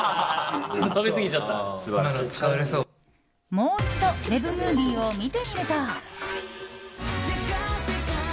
もう一度ＷＥＢムービーを見てみると。